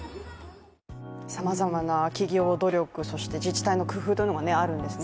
さまざまな企業努力、そして自治体の工夫というのがあるんですね。